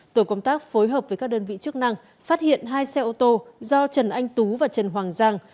tổ công tác phối hợp với các đơn vị chức năng phát hiện hai xe ô tô do trần anh tú và trần hoàng giang